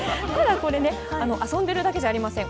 これね、遊んでるだけじゃありません。